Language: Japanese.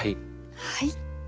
はい。